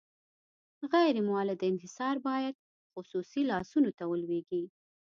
غیر مولد انحصار باید خصوصي لاسونو ته ولویږي.